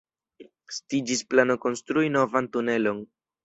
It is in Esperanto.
Estiĝis plano konstrui novan tunelon.